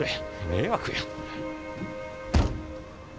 迷惑や。